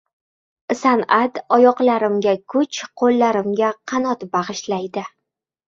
San’at — oyoqlarimga kuch, qo‘llarimga qanot bag‘ishlaydi